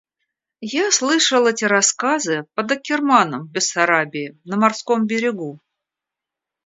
Я слышал эти рассказы под Аккерманом, в Бессарабии, на морском берегу.